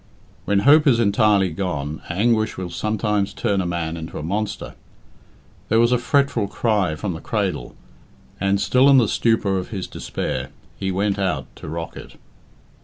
When hope is entirely gone, anguish will sometimes turn a man into a monster. There was a fretful cry from the cradle, and, still in the stupor of his despair, he went out to rock it.